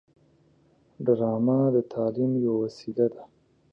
ډرامه د تعلیم یوه وسیله ده